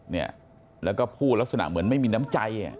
เนี่ยแล้วก็พูดลักษณะเหมือนไม่มีน้ำใจ